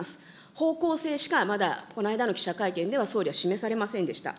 方向性しかまだこの間の記者会見では総理は示されませんでした。